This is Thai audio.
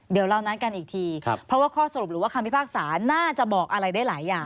เดี๋ยวเรานัดกันอีกทีเพราะว่าข้อสรุปหรือว่าคำพิพากษาน่าจะบอกอะไรได้หลายอย่าง